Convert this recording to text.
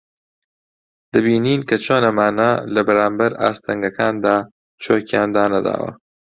دەبینین کە چۆن ئەمانە لە بەرانبەر ئاستەنگەکاندا چۆکیان دانەداوە